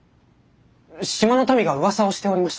島の民がうわさをしておりました。